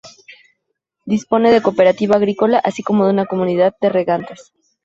Dispone de cooperativa agrícola así como de una comunidad de regantes.